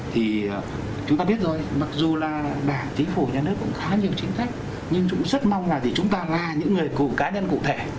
thì chúng ta biết rồi mặc dù là đảng chính phủ nhà nước cũng khá nhiều chính sách nhưng chúng rất mong là chúng ta là những người cụ cá nhân cụ thể